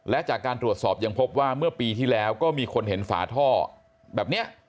และจากการตรวจสอบยังพบว่าเมื่อปีที่แล้วก็มีคนเห็นฝาท่อแบบนี้